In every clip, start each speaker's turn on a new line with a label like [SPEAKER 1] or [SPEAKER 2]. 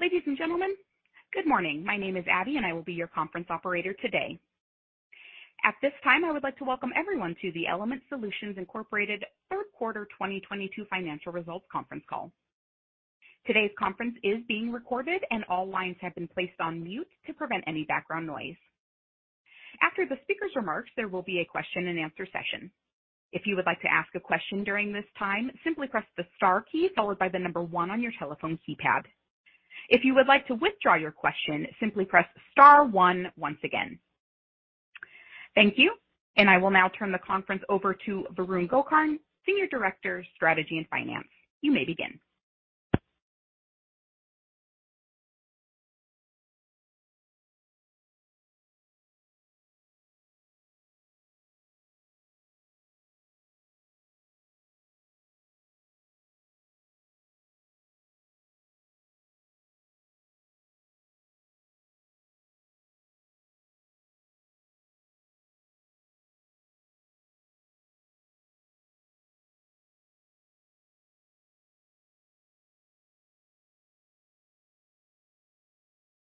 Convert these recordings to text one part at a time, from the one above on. [SPEAKER 1] Ladies and gentlemen, good morning. My name is Abby, and I will be your conference operator today. At this time, I would like to welcome everyone to the Element Solutions Inc. Third Quarter 2022 Financial Results Conference Call. Today's conference is being recorded, and all lines have been placed on mute to prevent any background noise. After the speaker's remarks, there will be a question-and-answer session. If you would like to ask a question during this time, simply press the star key followed by the number one on your telephone keypad. If you would like to withdraw your question, simply press star one once again. Thank you, and I will now turn the conference over to Varun Gokarn, Senior Director, Strategy and Finance. You may begin.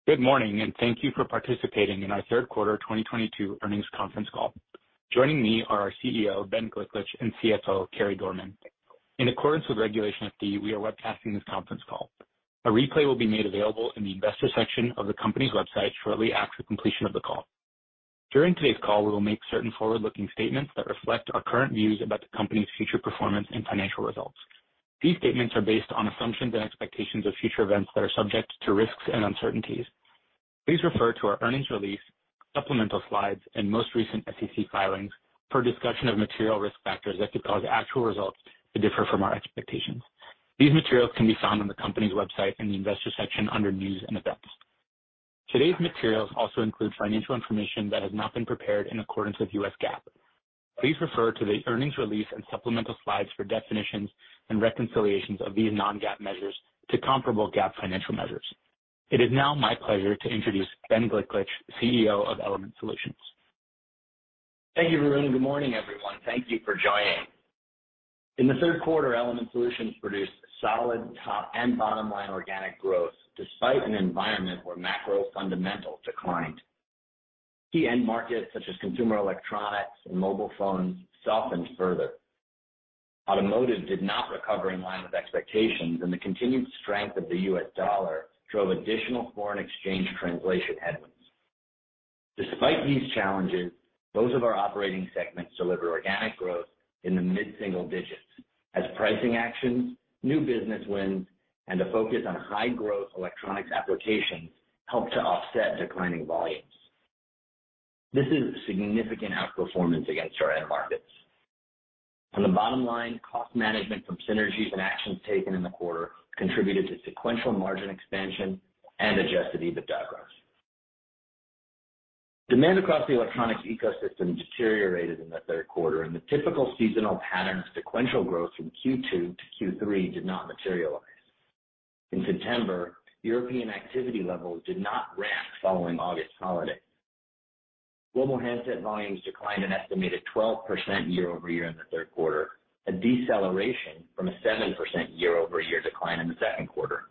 [SPEAKER 2] Good morning, and thank you for participating in our third quarter 2022 earnings conference call. Joining me are our CEO, Ben Gliklich, and CFO, Carey Dorman. In accordance with Regulation FD, we are webcasting this conference call. A replay will be made available in the investor section of the company's website shortly after completion of the call. During today's call, we will make certain forward-looking statements that reflect our current views about the company's future performance and financial results. These statements are based on assumptions and expectations of future events that are subject to risks and uncertainties. Please refer to our earnings release, supplemental slides, and most recent SEC filings for a discussion of material risk factors that could cause actual results to differ from our expectations. These materials can be found on the company's website in the Investor section under News and Events. Today's materials also include financial information that has not been prepared in accordance with U.S. GAAP. Please refer to the earnings release and supplemental slides for definitions and reconciliations of these non-GAAP measures to comparable GAAP financial measures. It is now my pleasure to introduce Ben Gliklich, CEO of Element Solutions.
[SPEAKER 3] Thank you, Varun. Good morning, everyone. Thank you for joining. In the third quarter, Element Solutions produced solid top and bottom line organic growth despite an environment where macro fundamentals declined. Key end markets such as consumer electronics and mobile phones softened further. Automotive did not recover in line with expectations, and the continued strength of the U.S. dollar drove additional foreign exchange translation headwinds. Despite these challenges, both of our operating segments delivered organic growth in the mid-single digits as pricing actions, new business wins, and a focus on high-growth electronics applications helped to offset declining volumes. This is significant outperformance against our end markets. On the bottom line, cost management from synergies and actions taken in the quarter contributed to sequential margin expansion and adjusted EBITDA growth. Demand across the electronics ecosystem deteriorated in the third quarter, and the typical seasonal pattern of sequential growth from Q2 to Q3 did not materialize. In September, European activity levels did not ramp following August holiday. Global handset volumes declined an estimated 12% year-over-year in the third quarter, a deceleration from a 7% year-over-year decline in the second quarter.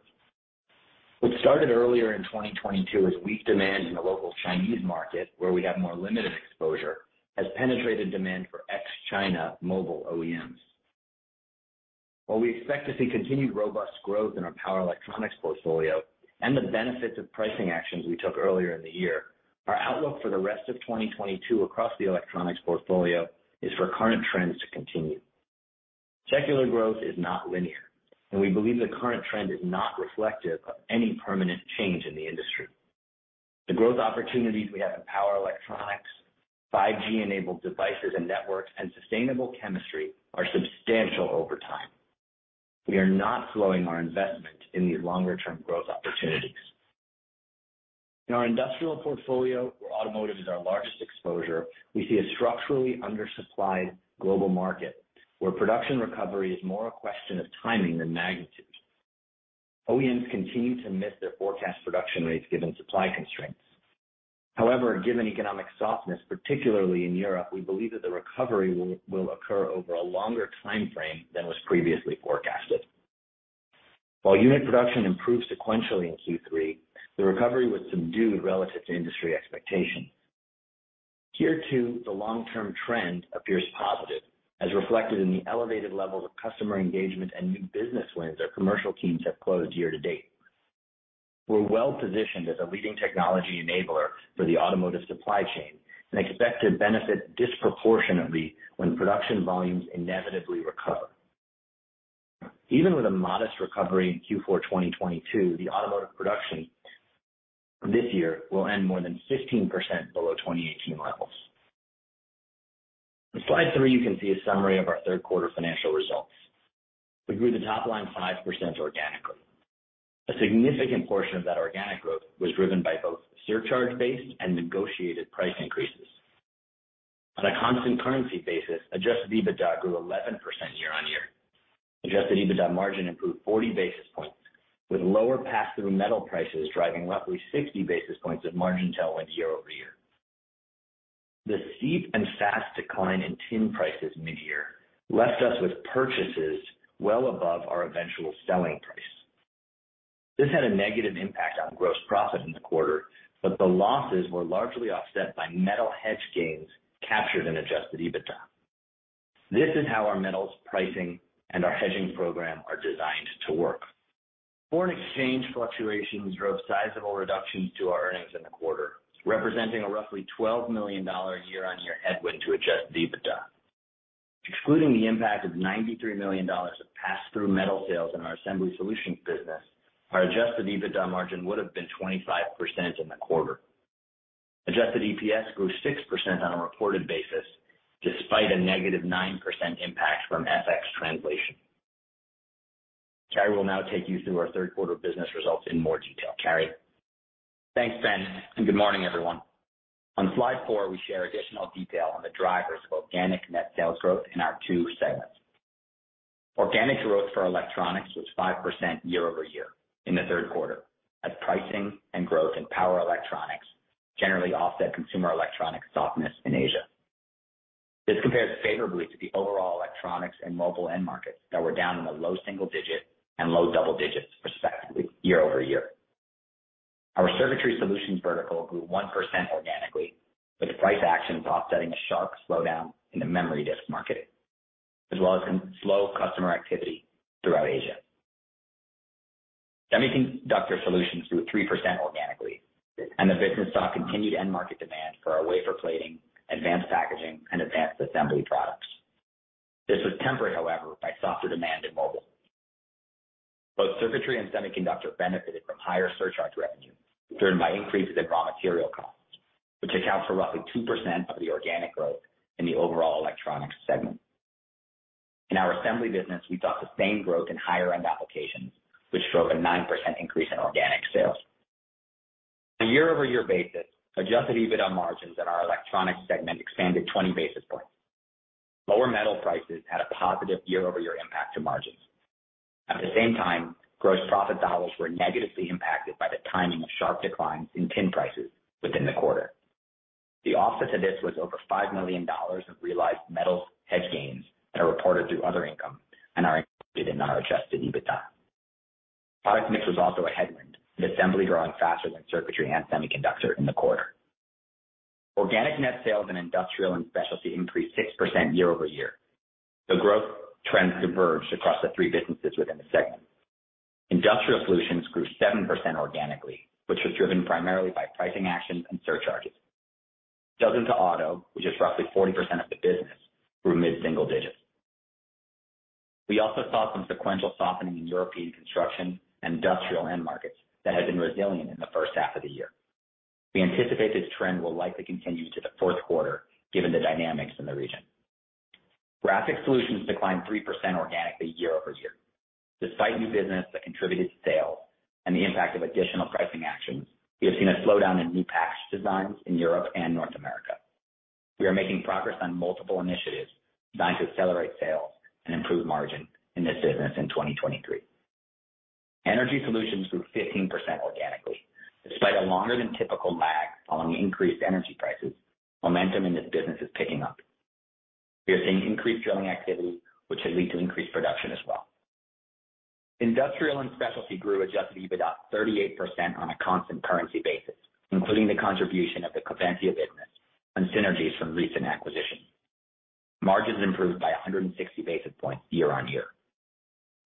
[SPEAKER 3] What started earlier in 2022 as weak demand in the local Chinese market, where we have more limited exposure, has penetrated demand for ex-China mobile OEMs. While we expect to see continued robust growth in our power electronics portfolio and the benefits of pricing actions we took earlier in the year, our outlook for the rest of 2022 across the electronics portfolio is for current trends to continue. Secular growth is not linear, and we believe the current trend is not reflective of any permanent change in the industry. The growth opportunities we have in power electronics, 5G-enabled devices and networks, and sustainable chemistry are substantial over time. We are not slowing our investment in these longer-term growth opportunities. In our industrial portfolio, where automotive is our largest exposure, we see a structurally undersupplied global market where production recovery is more a question of timing than magnitude. OEMs continue to miss their forecast production rates given supply constraints. However, given economic softness, particularly in Europe, we believe that the recovery will occur over a longer time frame than was previously forecasted. While unit production improved sequentially in Q3, the recovery was subdued relative to industry expectations. Here, too, the long-term trend appears positive, as reflected in the elevated levels of customer engagement and new business wins our commercial teams have closed year to date. We're well positioned as a leading technology enabler for the automotive supply chain and expect to benefit disproportionately when production volumes inevitably recover. Even with a modest recovery in Q4 2022, the automotive production this year will end more than 15% below 2018 levels. On slide three, you can see a summary of our third quarter financial results. We grew the top line 5% organically. A significant portion of that organic growth was driven by both surcharge-based and negotiated price increases. On a constant currency basis, adjusted EBITDA grew 11% year-on-year. Adjusted EBITDA margin improved 40 basis points, with lower pass-through metal prices driving roughly 60 basis points of margin tailwind year-over-year. The steep and fast decline in tin prices mid-year left us with purchases well above our eventual selling price. This had a negative impact on gross profit in the quarter, but the losses were largely offset by metal hedge gains captured in adjusted EBITDA. This is how our metals pricing and our hedging program are designed to work. Foreign exchange fluctuations drove sizable reductions to our earnings in the quarter, representing a roughly $12 million year-over-year headwind to adjusted EBITDA. Excluding the impact of $93 million of pass-through metal sales in our Assembly Solutions business, our adjusted EBITDA margin would have been 25% in the quarter. Adjusted EPS grew 6% on a reported basis despite a -9% impact from FX translation. Carey will now take you through our third quarter business results in more detail. Carey?
[SPEAKER 4] Thanks, Ben, and good morning, everyone. On slide four, we share additional detail on the drivers of organic net sales growth in our two segments. Organic growth for Electronics was 5% year-over-year in the third quarter, as pricing and growth in power electronics generally offset consumer electronics softness in Asia. This compares favorably to the overall electronics and mobile end markets that were down in the low single digit and low double digits respectively year-over-year. Our Circuitry Solutions vertical grew 1% organically, with price actions offsetting a sharp slowdown in the memory disk market, as well as some slow customer activity throughout Asia. Semiconductor Solutions grew 3% organically, and the business saw continued end market demand for our wafer plating, advanced packaging, and advanced assembly products. This was tempered, however, by softer demand in mobile. Both circuitry and semiconductor benefited from higher surcharge revenue driven by increases in raw material costs, which account for roughly 2% of the organic growth in the overall electronics segment. In our assembly business, we saw sustained growth in higher-end applications, which drove a 9% increase in organic sales. On a year-over-year basis, adjusted EBITDA margins in our electronics segment expanded 20 basis points. Lower metal prices had a positive year-over-year impact to margins. At the same time, gross profit dollars were negatively impacted by the timing of sharp declines in tin prices within the quarter. The offset to this was over $5 million of realized metals hedge gains that are reported through other income and are included in our adjusted EBITDA. Product mix was also a headwind, with Assembly growing faster than Circuitry and Semiconductor in the quarter. Organic net sales in Industrial & Specialty increased 6% year-over-year. The growth trend converged across the three businesses within the segment. Industrial Solutions grew 7% organically, which was driven primarily by pricing actions and surcharges. Sales into auto, which is roughly 40% of the business, grew mid-single digits. We also saw some sequential softening in European construction and industrial end markets that had been resilient in the first half of the year. We anticipate this trend will likely continue to the fourth quarter given the dynamics in the region. Graphics Solutions declined 3% organically year-over-year. Despite new business that contributed to sales and the impact of additional pricing actions, we have seen a slowdown in new plate designs in Europe and North America. We are making progress on multiple initiatives designed to accelerate sales and improve margin in this business in 2023. Energy Solutions grew 15% organically. Despite a longer than typical lag following increased energy prices, momentum in this business is picking up. We are seeing increased drilling activity, which should lead to increased production as well. Industrial & Specialty grew adjusted EBITDA 38% on a constant currency basis, including the contribution of the Coventya business and synergies from recent acquisitions. Margins improved by 160 basis points year-on-year.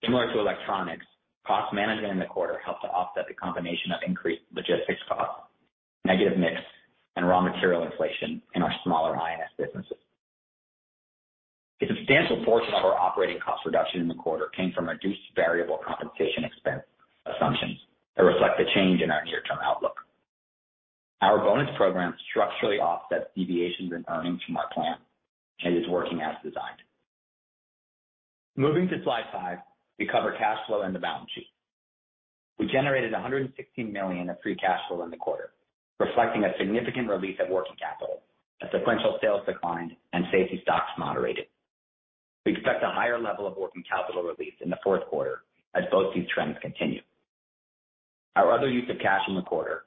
[SPEAKER 4] Similar to electronics, cost management in the quarter helped to offset the combination of increased logistics costs, negative mix, and raw material inflation in our smaller I&S businesses. A substantial portion of our operating cost reduction in the quarter came from reduced variable compensation expense assumptions that reflect the change in our near-term outlook. Our bonus program structurally offsets deviations in earnings from our plan and is working as designed. Moving to slide five, we cover cash flow and the balance sheet. We generated $116 million of free cash flow in the quarter, reflecting a significant release of working capital, a sequential sales decline, and safety stocks moderated. We expect a higher level of working capital release in the fourth quarter as both these trends continue. Our other use of cash in the quarter,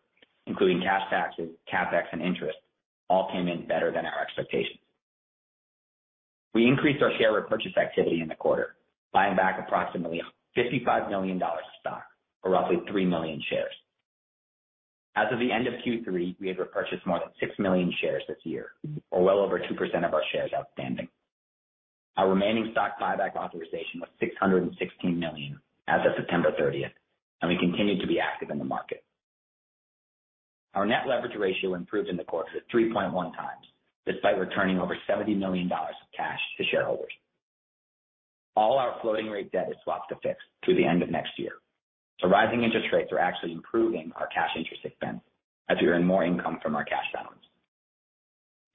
[SPEAKER 4] including cash taxes, CapEx, and interest, all came in better than our expectations. We increased our share repurchase activity in the quarter, buying back approximately $55 million of stock, or roughly 3 million shares. As of the end of Q3, we had repurchased more than 6 million shares this year, or well over 2% of our shares outstanding. Our remaining stock buyback authorization was $616 million as of September thirtieth, and we continue to be active in the market. Our net leverage ratio improved in the quarter to 3.1x, despite returning over $70 million of cash to shareholders. All our floating rate debt is swapped to fixed through the end of next year. Rising interest rates are actually improving our cash interest expense as we earn more income from our cash balance.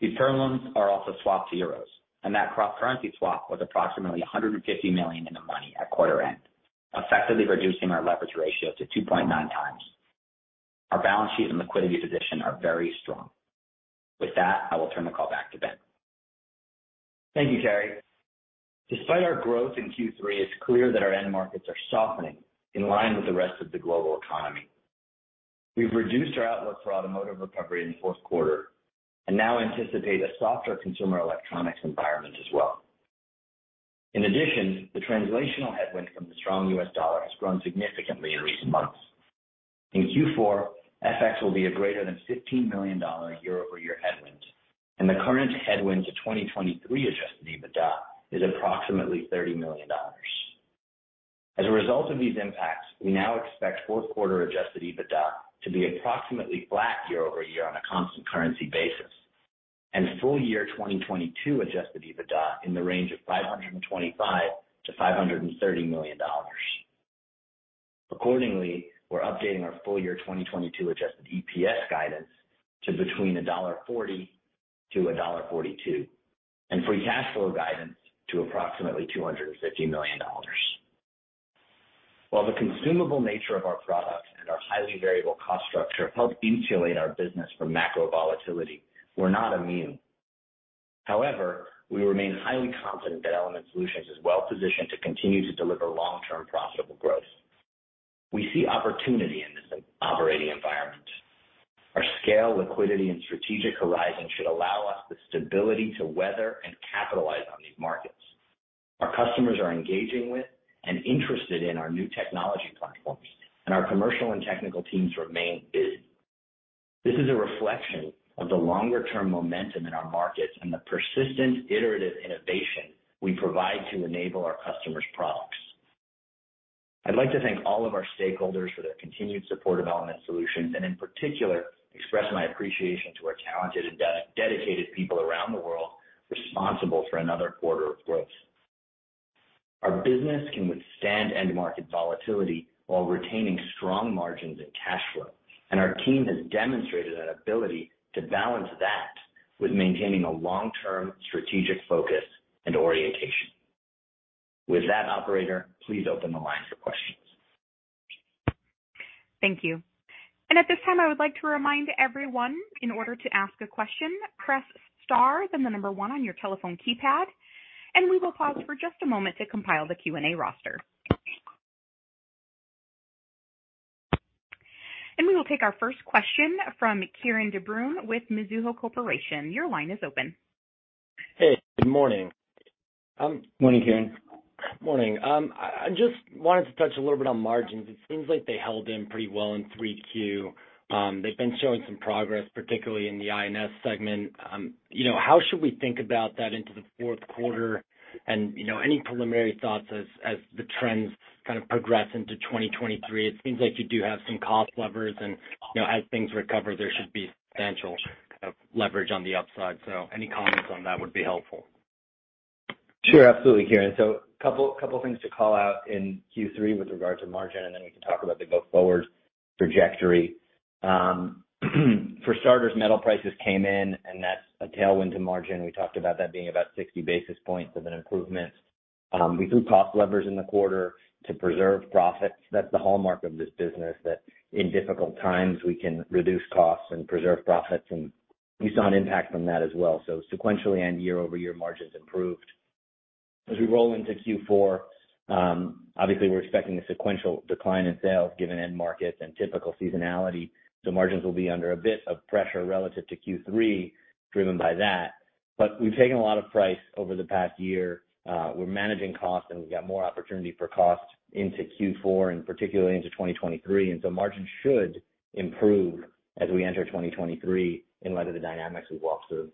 [SPEAKER 4] These term loans are also swapped to euros, and that cross currency swap was approximately $150 million in the money at quarter end, effectively reducing our leverage ratio to 2.9x. Our balance sheet and liquidity position are very strong. With that, I will turn the call back to Ben.
[SPEAKER 3] Thank you, Carey. Despite our growth in Q3, it's clear that our end markets are softening in line with the rest of the global economy. We've reduced our outlook for automotive recovery in the fourth quarter and now anticipate a softer consumer electronics environment as well. In addition, the translational headwind from the strong U.S. dollar has grown significantly in recent months. In Q4, FX will be a greater than $15 million year-over-year headwind, and the current headwind to 2023 adjusted EBITDA is approximately $30 million. As a result of these impacts, we now expect fourth quarter adjusted EBITDA to be approximately flat year-over-year on a constant currency basis, and full year 2022 adjusted EBITDA in the range of $525 million-$530 million. Accordingly, we're updating our full year 2022 adjusted EPS guidance to between $1.40 - $1.42, and free cash flow guidance to approximately $250 million. While the consumable nature of our products and our highly variable cost structure help insulate our business from macro volatility, we're not immune. However, we remain highly confident that Element Solutions is well positioned to continue to deliver long-term profitable growth. We see opportunity in this operating environment. Our scale, liquidity, and strategic horizon should allow us the stability to weather and capitalize on these markets. Our customers are engaging with and interested in our new technology platforms, and our commercial and technical teams remain busy. This is a reflection of the longer-term momentum in our markets and the persistent iterative innovation we provide to enable our customers products. I'd like to thank all of our stakeholders for their continued support of Element Solutions, and in particular, express my appreciation to our talented and de-dedicated people around the world responsible for another quarter of growth. Our business can withstand end market volatility while retaining strong margins and cash flow. Our team has demonstrated that ability to balance that with maintaining a long-term strategic focus and orientation. With that, operator, please open the line for questions.
[SPEAKER 1] Thank you. At this time, I would like to remind everyone, in order to ask a question, press star then the number one on your telephone keypad, and we will pause for just a moment to compile the Q&A roster. We will take our first question from Kieran de Brun with Mizuho Securities. Your line is open.
[SPEAKER 5] Hey, good morning.
[SPEAKER 3] Morning, Kieran.
[SPEAKER 5] Morning. I just wanted to touch a little bit on margins. It seems like they held in pretty well in Q3. They've been showing some progress, particularly in the I&S segment. You know, how should we think about that into the fourth quarter? You know, any preliminary thoughts as the trends kind of progress into 2023? It seems like you do have some cost levers. You know, as things recover there should be substantial kind of leverage on the upside. Any comments on that would be helpful.
[SPEAKER 3] Sure. Absolutely, Kieran. A couple things to call out in Q3 with regard to margin, and then we can talk about the go-forward trajectory. For starters, metal prices came in and that's a tailwind to margin. We talked about that being about 60 basis points of an improvement. We threw cost levers in the quarter to preserve profits. That's the hallmark of this business, that in difficult times we can reduce costs and preserve profits, and we saw an impact from that as well. Sequentially and year over year, margins improved. As we roll into Q4, obviously we're expecting a sequential decline in sales given end markets and typical seasonality. Margins will be under a bit of pressure relative to Q3 driven by that. We've taken a lot of price over the past year. We're managing costs, and we've got more opportunity for cost into Q4 and particularly into 2023. Margins should improve as we enter 2023 in light of the dynamics we've walked through.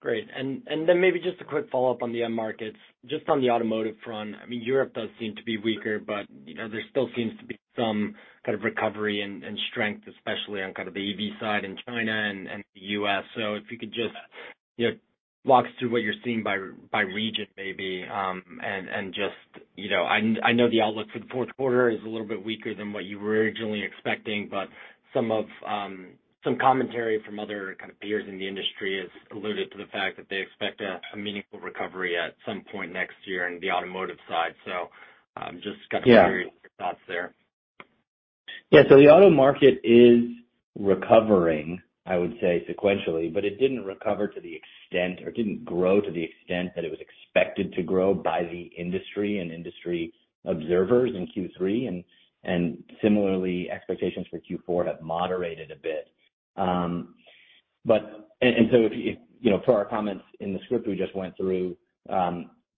[SPEAKER 5] Great. Then maybe just a quick follow-up on the end markets. Just on the automotive front, I mean, Europe does seem to be weaker, but, you know, there still seems to be some kind of recovery and strength, especially on kind of the EV side in China and the U.S.. If you could just, you know, walk us through what you're seeing by region maybe. Just, you know, I know the outlook for the fourth quarter is a little bit weaker than what you were originally expecting, but some commentary from other kind of peers in the industry has alluded to the fact that they expect a meaningful recovery at some point next year in the automotive side. Just-
[SPEAKER 3] Yeah.
[SPEAKER 5] Curious your thoughts there.
[SPEAKER 3] Yeah. The auto market is recovering, I would say, sequentially, but it didn't recover to the extent or didn't grow to the extent that it was expected to grow by the industry and industry observers in Q3. You know, per our comments in the script we just went through,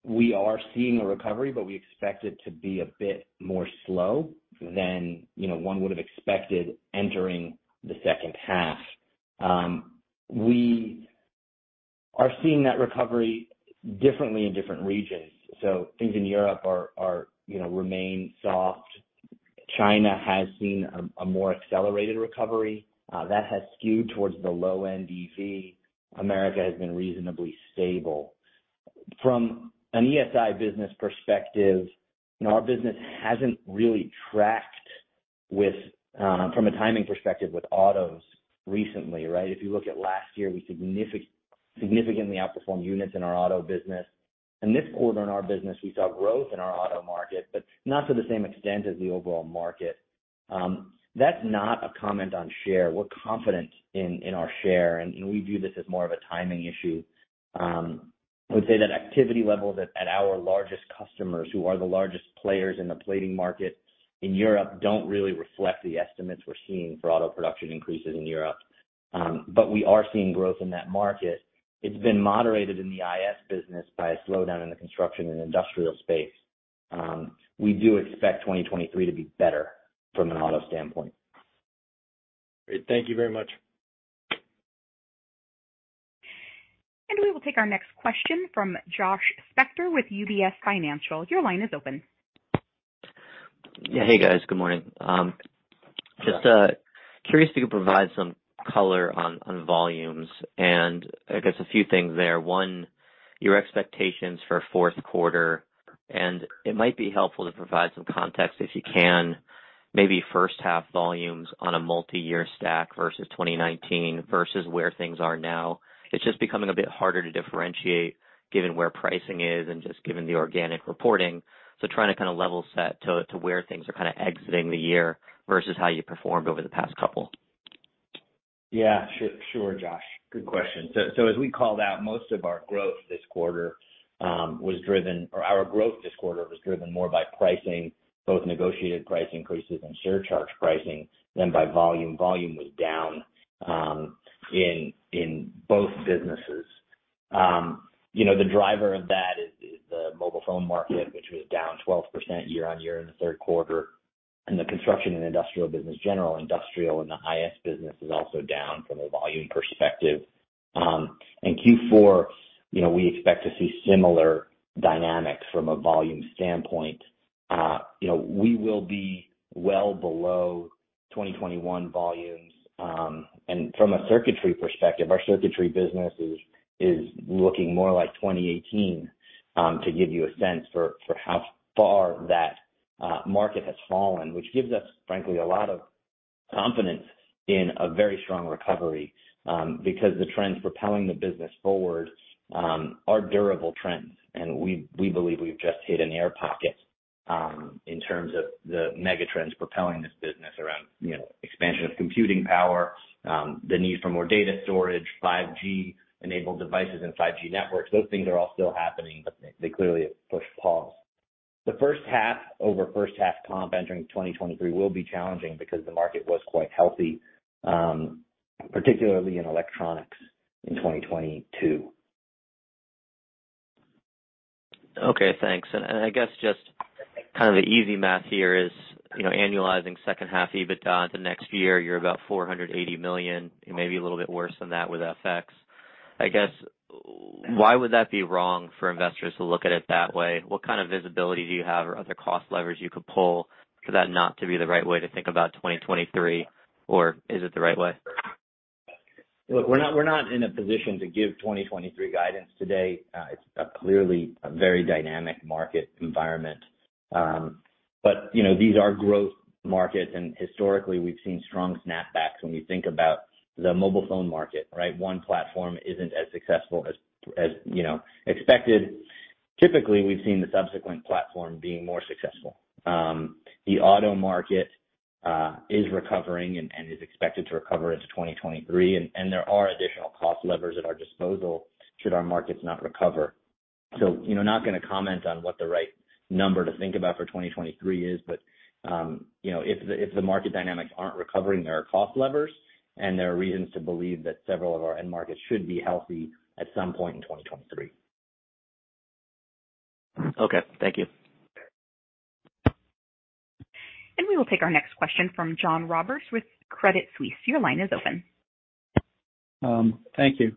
[SPEAKER 3] we are seeing a recovery, but we expect it to be a bit more slow than, you know, one would have expected entering the second half. We are seeing that recovery differently in different regions. Things in Europe, you know, remain soft. China has seen a more accelerated recovery that has skewed towards the low-end EV. America has been reasonably stable. From an ESI business perspective, you know, our business hasn't really tracked with from a timing perspective with autos recently, right? If you look at last year, we significantly outperformed units in our auto business. In this quarter in our business, we saw growth in our auto market, but not to the same extent as the overall market. That's not a comment on share. We're confident in our share, and we view this as more of a timing issue. I would say that activity levels at our largest customers who are the largest players in the plating market in Europe don't really reflect the estimates we're seeing for auto production increases in Europe. But we are seeing growth in that market. It's been moderated in the I&S business by a slowdown in the construction and industrial space. We do expect 2023 to be better from an auto standpoint.
[SPEAKER 5] Great. Thank you very much.
[SPEAKER 1] We will take our next question from Josh Spector with UBS. Your line is open.
[SPEAKER 6] Hey, guys. Good morning. Just curious if you could provide some color on volumes and I guess a few things there. One, your expectations for fourth quarter, and it might be helpful to provide some context, if you can, maybe first half volumes on a multi-year stack versus 2019 versus where things are now. It's just becoming a bit harder to differentiate given where pricing is and just given the organic reporting. Trying to kind of level set to where things are kind of exiting the year versus how you performed over the past couple.
[SPEAKER 3] Yeah. Sure, Josh. Good question. As we called out, our growth this quarter was driven more by pricing, both negotiated price increases and surcharge pricing than by volume. Volume was down in both businesses. You know, the driver of that is the mobile phone market, which was down 12% year-over-year in the third quarter, and the construction and industrial business, general industrial, and the I&S business is also down from a volume perspective. In Q4, you know, we expect to see similar dynamics from a volume standpoint. You know, we will be well below 2021 volumes, and from a circuitry perspective, our circuitry business is looking more like 2018, to give you a sense for how far that market has fallen, which gives us, frankly, a lot of confidence in a very strong recovery, because the trends propelling the business forward are durable trends. We believe we've just hit an air pocket in terms of the mega trends propelling this business around, you know, expansion of computing power, the need for more data storage, 5G-enabled devices and 5G networks. Those things are all still happening, but they clearly have pushed pause. The first half-over-first half comp entering 2023 will be challenging because the market was quite healthy, particularly in electronics in 2022.
[SPEAKER 6] Okay, thanks. I guess just kind of the easy math here is, you know, annualizing second half EBITDA the next year, you're about $480 million, and maybe a little bit worse than that with FX. I guess, why would that be wrong for investors to look at it that way? What kind of visibility do you have or other cost levers you could pull for that not to be the right way to think about 2023? Is it the right way?
[SPEAKER 3] Look, we're not in a position to give 2023 guidance today. It's clearly a very dynamic market environment. You know, these are growth markets, and historically we've seen strong snapbacks when we think about the mobile phone market, right? One platform isn't as successful as, you know, expected. Typically, we've seen the subsequent platform being more successful. The auto market is recovering and is expected to recover into 2023. There are additional cost levers at our disposal should our markets not recover. You know, not gonna comment on what the right number to think about for 2023 is, but, you know, if the market dynamics aren't recovering, there are cost levers, and there are reasons to believe that several of our end markets should be healthy at some point in 2023.
[SPEAKER 6] Okay. Thank you.
[SPEAKER 1] We will take our next question from John Roberts with Credit Suisse. Your line is open.
[SPEAKER 7] Thank you.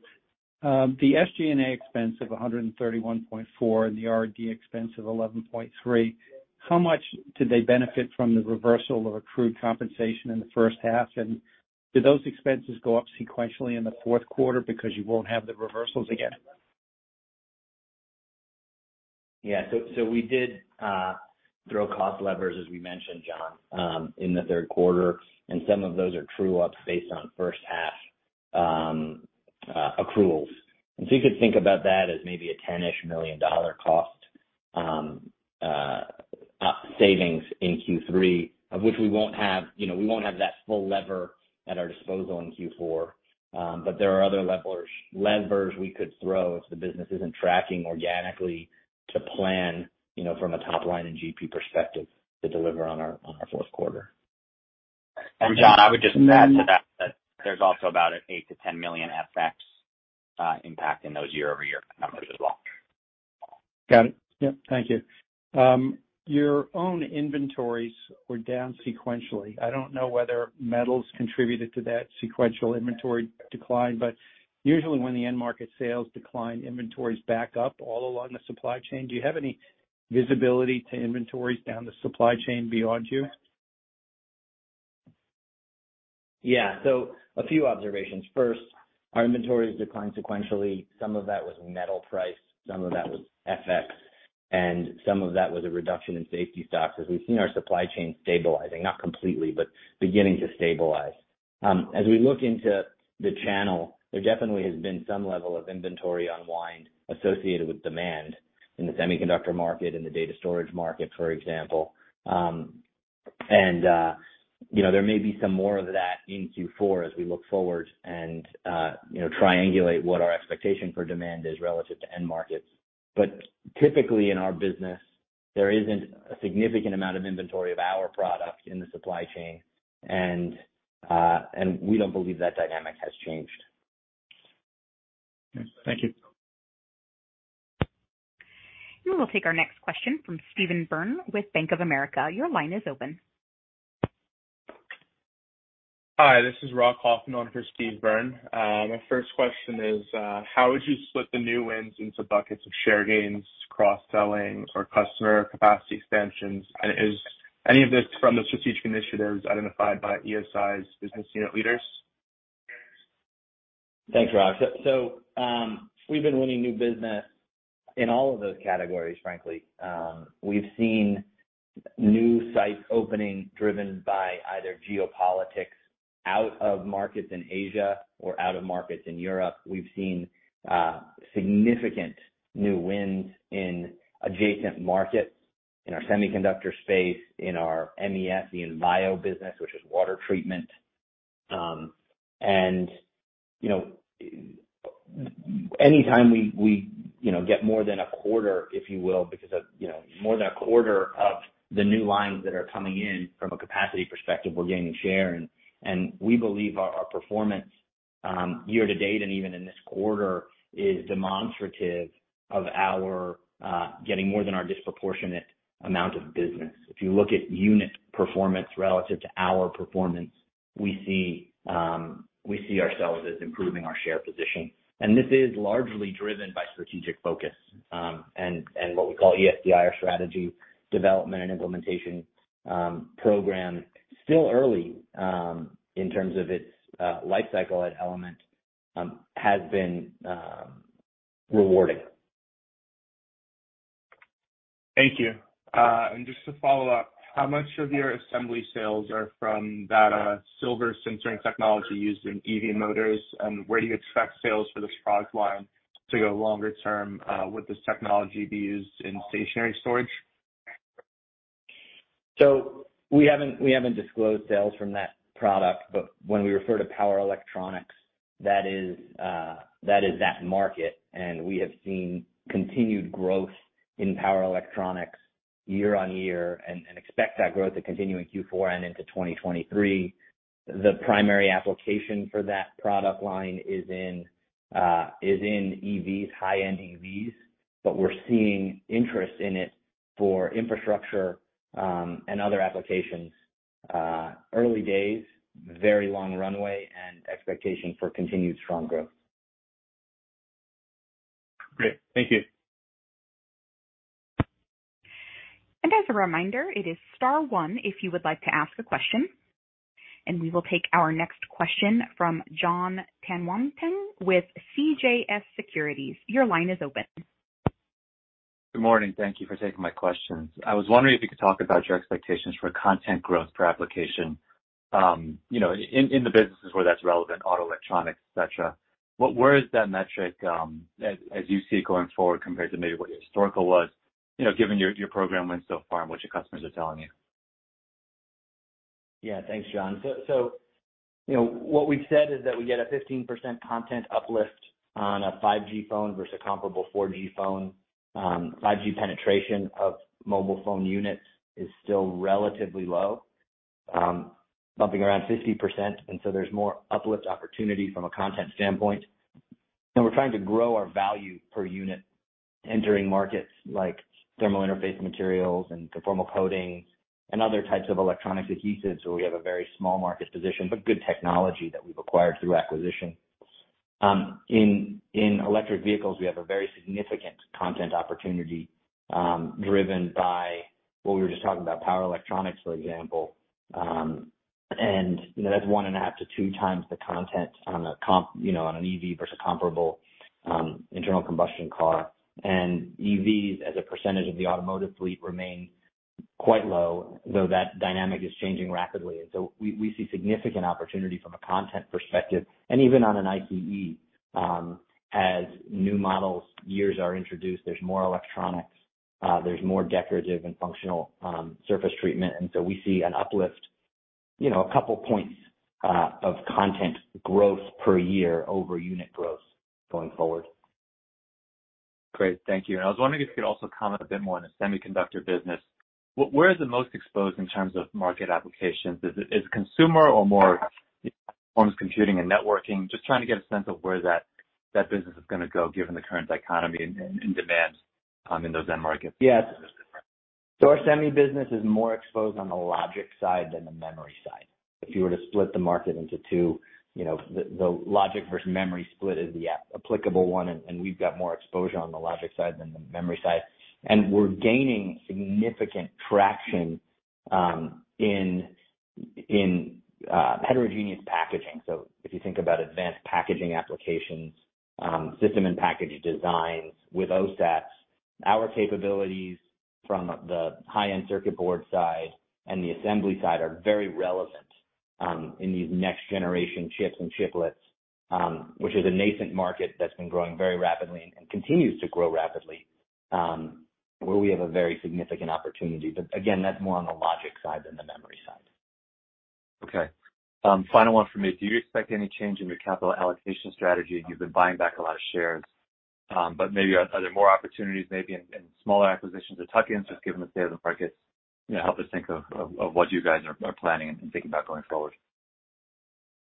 [SPEAKER 7] The SG&A expense of $131.4 and the R&D expense of $11.3, how much did they benefit from the reversal of accrued compensation in the first half? Do those expenses go up sequentially in the fourth quarter because you won't have the reversals again?
[SPEAKER 3] Yeah. We did throw cost levers, as we mentioned, John, in the third quarter, and some of those are true-ups based on first half accruals. You could think about that as maybe a $10-ish million cost savings in Q3, of which we won't have. You know, we won't have that full lever at our disposal in Q4. There are other levers we could throw if the business isn't tracking organically to plan, you know, from a top line and GP perspective to deliver on our fourth quarter.
[SPEAKER 7] And then-
[SPEAKER 4] John, I would just add to that there's also about an $8 million-$10 million FX impact in those year-over-year numbers as well.
[SPEAKER 7] Got it. Yep. Thank you. Your own inventories were down sequentially. I don't know whether metals contributed to that sequential inventory decline, but usually when the end market sales decline, inventories back up all along the supply chain. Do you have any visibility to inventories down the supply chain beyond you?
[SPEAKER 3] Yeah. A few observations. First, our inventories declined sequentially. Some of that was metal price, some of that was FX, and some of that was a reduction in safety stock as we've seen our supply chain stabilizing. Not completely, but beginning to stabilize. As we look into the channel, there definitely has been some level of inventory unwind associated with demand in the semiconductor market, in the data storage market, for example. You know, there may be some more of that in Q4 as we look forward and you know, triangulate what our expectation for demand is relative to end markets. But typically in our business, there isn't a significant amount of inventory of our product in the supply chain, and we don't believe that dynamic has changed.
[SPEAKER 7] Okay. Thank you.
[SPEAKER 1] We'll take our next question from Steve Byrne with Bank of America. Your line is open.
[SPEAKER 8] Hi, this is Rob Hoffman on for Steve Byrne. My first question is, how would you split the new wins into buckets of share gains, cross-selling or customer capacity expansions? Is any of this from the strategic initiatives identified by ESI's business unit leaders?
[SPEAKER 3] Thanks, Rob. We've been winning new business in all of those categories, frankly. We've seen new sites opening, driven by either geopolitics out of markets in Asia or out of markets in Europe. We've seen significant new wins in adjacent markets in our semiconductor space, in our MES, the Envio business, which is water treatment. You know, anytime we you know get more than a quarter, if you will, because of you know more than a quarter of the new lines that are coming in from a capacity perspective, we're gaining share. We believe our performance year to date and even in this quarter is demonstrative of our getting more than our disproportionate amount of business. If you look at unit performance relative to our performance, we see ourselves as improving our share position. This is largely driven by strategic focus, and what we call ESDI, our strategy development and implementation program. Still early in terms of its life cycle at Element, has been rewarding.
[SPEAKER 8] Thank you. Just to follow up, how much of your assembly sales are from that, silver sintering technology used in EV motors? Where do you expect sales for this product line to go longer term? Would this technology be used in stationary storage?
[SPEAKER 3] We haven't disclosed sales from that product, but when we refer to power electronics, that is that market. We have seen continued growth in power electronics year-over-year and expect that growth to continue in Q4 and into 2023. The primary application for that product line is in EVs, high-end EVs. We're seeing interest in it for infrastructure and other applications. Early days, very long runway and expectation for continued strong growth.
[SPEAKER 8] Great. Thank you.
[SPEAKER 1] As a reminder, it is star one if you would like to ask a question. We will take our next question from Jonathan Tanwanteng with CJS Securities. Your line is open.
[SPEAKER 9] Good morning. Thank you for taking my questions. I was wondering if you could talk about your expectations for content growth per application, you know, in the businesses where that's relevant, auto electronics, et cetera. Where is that metric, as you see it going forward compared to maybe what your historical was, you know, given your program wins so far and what your customers are telling you?
[SPEAKER 3] Yeah. Thanks, John. You know, what we've said is that we get a 15% content uplift on a 5G phone versus comparable 4G phone. 5G penetration of mobile phone units is still relatively low, bumping around 50%, and there's more uplift opportunity from a content standpoint. We're trying to grow our value per unit entering markets like thermal interface materials and conformal coatings and other types of electronics adhesives where we have a very small market position, but good technology that we've acquired through acquisition. In electric vehicles, we have a very significant content opportunity, driven by what we were just talking about, power electronics, for example. You know, that's 1.5-2x the content on a comp, you know, on an EV versus comparable internal combustion car. EVs as a percentage of the automotive fleet remain quite low, though that dynamic is changing rapidly. We see significant opportunity from a content perspective. Even on an ICE, as new model years are introduced, there's more electronics, there's more decorative and functional surface treatment. We see an uplift, you know, a couple points of content growth per year over unit growth going forward.
[SPEAKER 9] Great. Thank you. I was wondering if you could also comment a bit more on the semiconductor business. Where is it most exposed in terms of market applications? Is it consumer or more computing and networking? Just trying to get a sense of where that business is gonna go given the current dichotomy in demand in those end markets.
[SPEAKER 3] Yes. Our semi business is more exposed on the logic side than the memory side. If you were to split the market into two, you know, the logic versus memory split is the applicable one, and we've got more exposure on the logic side than the memory side. We're gaining significant traction in heterogeneous packaging. If you think about advanced packaging applications, system and package designs with OSATs, our capabilities from the high-end circuit board side and the assembly side are very relevant in these next generation chips and chiplets, which is a nascent market that's been growing very rapidly and continues to grow rapidly, where we have a very significant opportunity. Again, that's more on the logic side than the memory side.
[SPEAKER 9] Okay. Final one for me. Do you expect any change in your capital allocation strategy? You've been buying back a lot of shares, but maybe are there more opportunities maybe in smaller acquisitions or tuck-ins, just given the state of the markets? You know, help us think of what you guys are planning and thinking about going forward.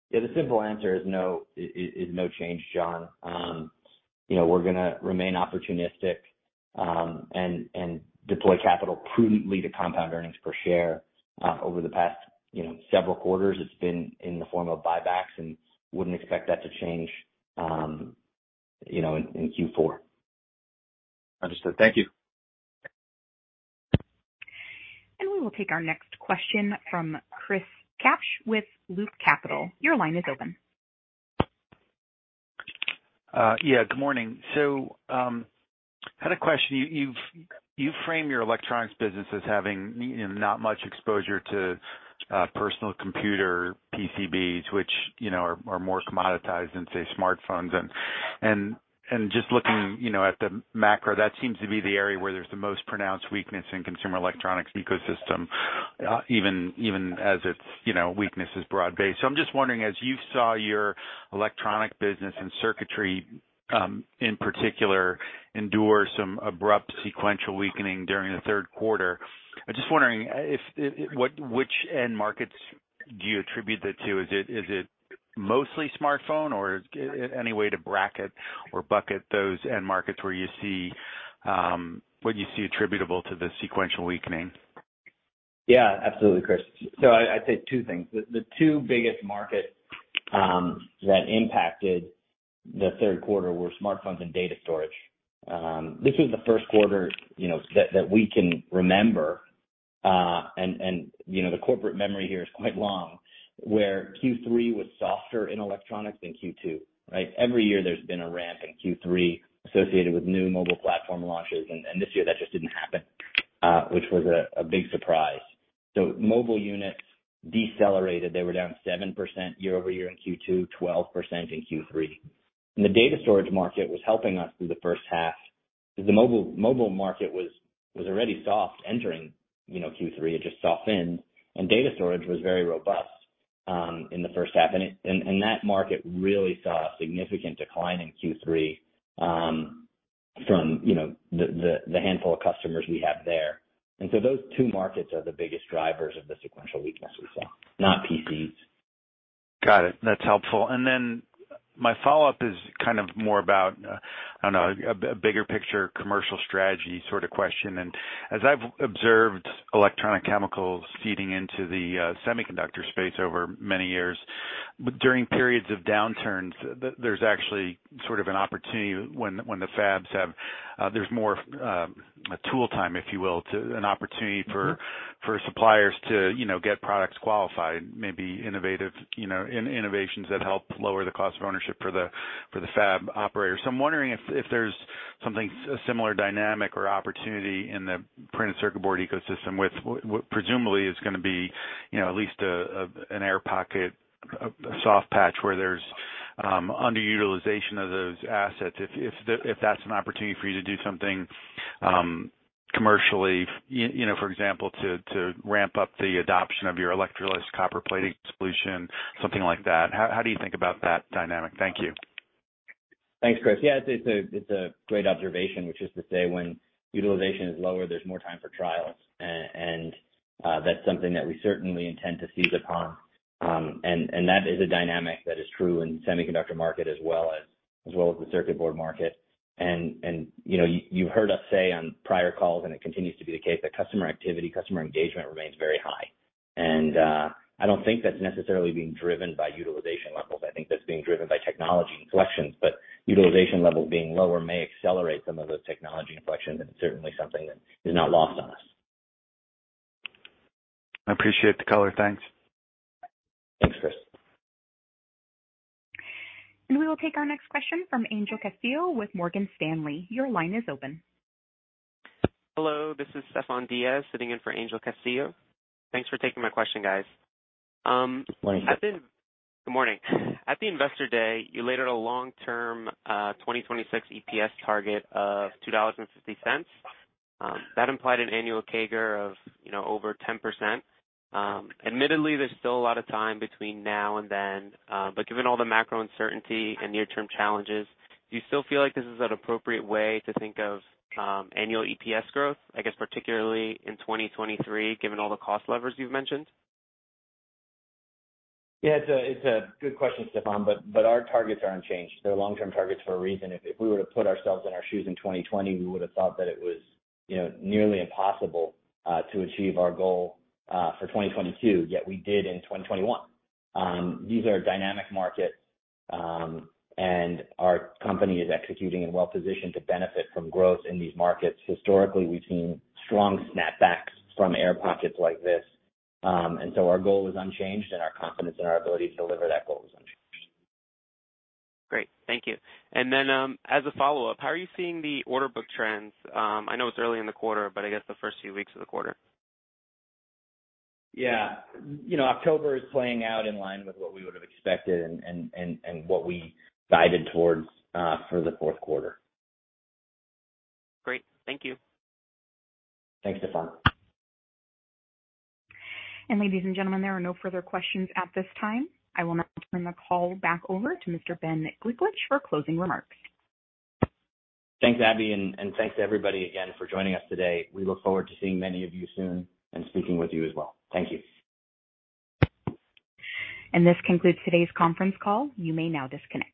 [SPEAKER 3] Yeah, the simple answer is no. It's no change, John. You know, we're gonna remain opportunistic and deploy capital prudently to compound earnings per share. Over the past, you know, several quarters, it's been in the form of buybacks and wouldn't expect that to change, you know, in Q4.
[SPEAKER 9] Understood. Thank you.
[SPEAKER 1] We will take our next question from Chris Kapsch with Loop Capital Markets. Your line is open.
[SPEAKER 10] Yeah, good morning. Had a question. You frame your electronics business as having, you know, not much exposure to personal computer PCBs, which, you know, are more commoditized than, say, smartphones. Just looking, you know, at the macro, that seems to be the area where there's the most pronounced weakness in consumer electronics ecosystem, even as it's, you know, weakness is broad-based. I'm just wondering, as you saw your electronics business and circuitry in particular endure some abrupt sequential weakening during the third quarter. I'm just wondering if which end markets do you attribute that to. Is it mostly smartphone or is there any way to bracket or bucket those end markets where you see what you see attributable to the sequential weakening.
[SPEAKER 3] Yeah, absolutely, Chris. I'd say two things. The two biggest markets that impacted the third quarter were smartphones and data storage. This was the first quarter, you know, that we can remember, and you know, the corporate memory here is quite long, where Q3 was softer in electronics than Q2, right? Every year there's been a ramp in Q3 associated with new mobile platform launches, and this year that just didn't happen, which was a big surprise. Mobile units decelerated. They were down 7% year-over-year in Q2, 12% in Q3. The data storage market was helping us through the first half. The mobile market was already soft entering Q3. It just softened. Data storage was very robust in the first half. That market really saw a significant decline in Q3 from, you know, the handful of customers we have there. Those two markets are the biggest drivers of the sequential weakness we saw, not PCs.
[SPEAKER 10] Got it. That's helpful. My follow-up is kind of more about, I don't know, a bigger picture commercial strategy sort of question. As I've observed electronic chemicals seeding into the semiconductor space over many years, but during periods of downturns, there's actually sort of an opportunity when the fabs have, there's more tool time, if you will, to an opportunity for-
[SPEAKER 3] Mm-hmm.
[SPEAKER 10] for suppliers to, you know, get products qualified, maybe innovative, you know, innovations that help lower the cost of ownership for the fab operators. I'm wondering if there's something, a similar dynamic or opportunity in the printed circuit board ecosystem with what presumably is gonna be, you know, at least an air pocket, a soft patch where there's underutilization of those assets, if that's an opportunity for you to do something commercially. You know, for example, to ramp up the adoption of your electroless copper plating solution, something like that. How do you think about that dynamic? Thank you.
[SPEAKER 3] Thanks, Chris. Yeah, it's a great observation, which is to say when utilization is lower, there's more time for trials. That's something that we certainly intend to seize upon. That is a dynamic that is true in semiconductor market as well as the circuit board market. You know, you heard us say on prior calls, and it continues to be the case, that customer activity, customer engagement remains very high. I don't think that's necessarily being driven by utilization levels. I think that's being driven by technology inflections, but utilization levels being lower may accelerate some of those technology inflections, and it's certainly something that is not lost on us.
[SPEAKER 10] I appreciate the color. Thanks.
[SPEAKER 3] Thanks, Chris.
[SPEAKER 1] We will take our next question from Angel Castillo with Morgan Stanley. Your line is open.
[SPEAKER 11] Hello, this is Steven Diaz sitting in for Angel Castillo. Thanks for taking my question, guys.
[SPEAKER 3] Morning.
[SPEAKER 11] Good morning. At the Investor Day, you laid out a long-term, 2026 EPS target of $2.50. That implied an annual CAGR of, you know, over 10%. Admittedly, there's still a lot of time between now and then, but given all the macro uncertainty and near-term challenges, do you still feel like this is an appropriate way to think of annual EPS growth, I guess, particularly in 2023, given all the cost levers you've mentioned?
[SPEAKER 3] Yeah, it's a good question, Steven, but our targets are unchanged. They're long-term targets for a reason. If we were to put ourselves in our shoes in 2020, we would have thought that it was, you know, nearly impossible to achieve our goal for 2022, yet we did in 2021. These are dynamic markets, and our company is executing and well-positioned to benefit from growth in these markets. Historically, we've seen strong snapbacks from air pockets like this. Our goal is unchanged and our confidence in our ability to deliver that goal is unchanged.
[SPEAKER 11] Great. Thank you. As a follow-up, how are you seeing the order book trends? I know it's early in the quarter, but I guess the first few weeks of the quarter.
[SPEAKER 3] Yeah. You know, October is playing out in line with what we would have expected and what we guided towards for the fourth quarter.
[SPEAKER 11] Great. Thank you.
[SPEAKER 3] Thanks, Steven.
[SPEAKER 1] Ladies and gentlemen, there are no further questions at this time. I will now turn the call back over to Mr. Ben Gliklich for closing remarks.
[SPEAKER 3] Thanks, Abby, and thanks to everybody again for joining us today. We look forward to seeing many of you soon and speaking with you as well. Thank you.
[SPEAKER 1] This concludes today's conference call. You may now disconnect.